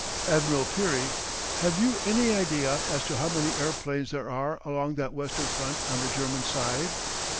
Admiral Peary: Have you any idea as to how many airplanes there are along that western front on the German side?